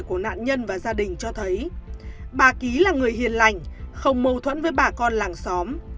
của nạn nhân và gia đình cho thấy bà ký là người hiền lành không mâu thuẫn với bà con làng xóm